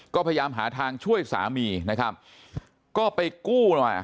ก็พยายามหาทางช่วยสามีนะครับก็ไปกู้หน่อย